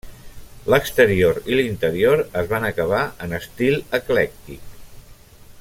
L'exterior i l'interior es van acabar en estil eclèctic.